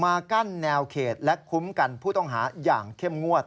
กั้นแนวเขตและคุ้มกันผู้ต้องหาอย่างเข้มงวด